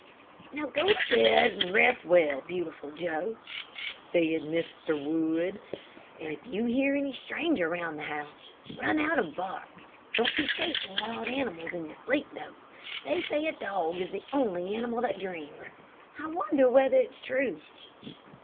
"Now, go to bed and rest well, Beautiful Joe," said Mr. Wood, "and if you hear any stranger round the house, run out and bark. Don't be chasing wild animals in your sleep, though. They say a dog is the only animal that dreams. I wonder whether it's true?"